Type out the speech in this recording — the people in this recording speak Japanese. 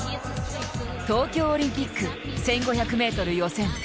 東京オリンピック１５００ｍ予選。